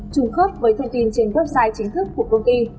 trùng khớp với thông tin trên website chính thức của công ty